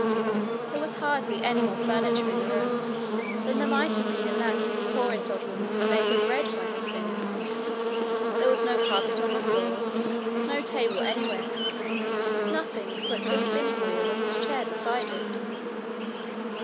There was hardly any more furniture in the room than there might have been in that of the poorest old woman who made her bread by her spinning. There was no carpet on the floor no table anywhere nothing but the spinning wheel and the chair beside it.